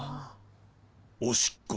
おしっこだ。